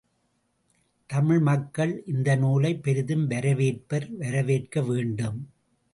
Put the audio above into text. தமிழ் மக்கள் இந்த நூலை பெரிதும் வரவேற்பர் வரவேற்க வேண்டும்.